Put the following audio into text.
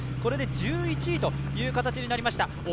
これで１１位という形になりました。